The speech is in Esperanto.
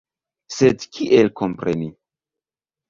Sed kiel kompreni?